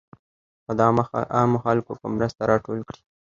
او د عامو خلکو په مرسته راټول کړي .